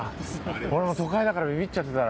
俺もう都会だからビビっちゃってたら。